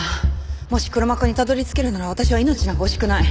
もし黒幕にたどり着けるなら私は命なんか惜しくない。